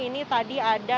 ini tadi ada